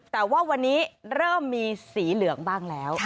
แต่ว่าวันนี้เริ่มมีสีเหลืองบ้างแล้ว